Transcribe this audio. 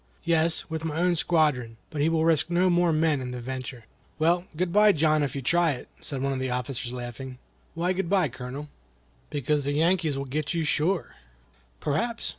"Yes, with my own squadron, but he will risk no more men in the venture." "Well, good bye, John, if you try it," said one of the officers, laughing. "Why good bye, Colonel?" "Because the Yankees will get you sure." "Perhaps!"